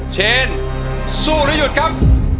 เชนสู้หรือหยุดครับ